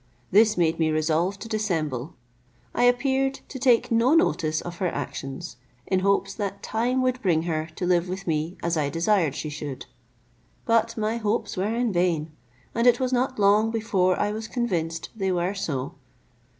This made me resolve to dissemble; I appeared to take no notice of her actions, in hopes that time would bring her to live with me as I desired she should. But my hopes were in vain, and it was not long before I was convinced they were so.